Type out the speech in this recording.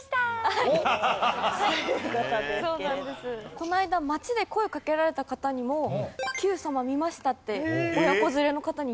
この間街で声をかけられた方にも「『Ｑさま！！』見ました」って親子連れの方に言って頂いて。